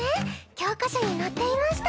教科書に載っていました。